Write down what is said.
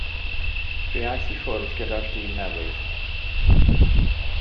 Fe aeth i ffwrdd gyda'r dyn newydd.